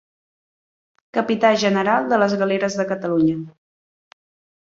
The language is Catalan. Capità general de les galeres de Catalunya.